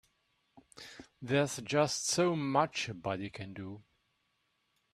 There's just so much a body can do.